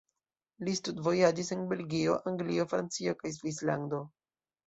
Li studvojaĝis en Belgio, Anglio, Francio kaj Svislando.